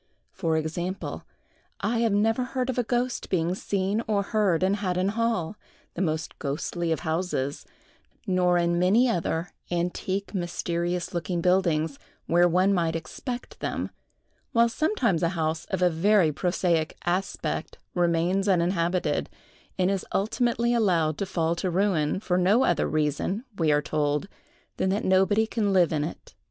For example, I never heard of a ghost being seen or heard in Haddon hall, the most ghostly of houses; nor in many other antique, mysterious looking buildings, where one might expect them, while sometimes a house of a very prosaic aspect remains uninhabited, and is ultimately allowed to fall to ruin, for no other reason, we are told, than that nobody can live in it.